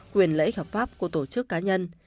quyền lợi ích hợp pháp của tổ chức cá nhân